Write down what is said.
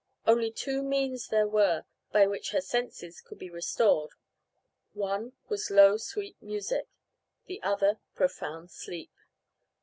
Only two means there were by which her senses could be restored: one was low sweet music, the other profound sleep.